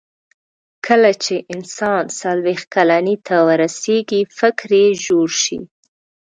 کله چې انسان څلوېښت کلنۍ ته ورسیږي، فکر یې ژور شي.